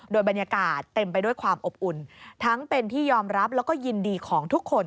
โดยบรรยากาศเต็มไปด้วยความอบอุ่นทั้งเป็นที่ยอมรับแล้วก็ยินดีของทุกคน